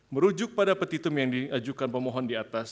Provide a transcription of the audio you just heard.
merujuk pada petitum yang diajukan pemohon di atas